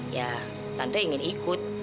ya tante ingin ikut